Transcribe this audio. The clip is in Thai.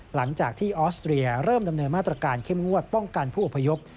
หลังจากที่ออสเตรียเริ่มดำเนินมาตรการเข้มงวดป้องกันผู้อพยพ